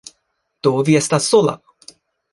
Do, vi estas sola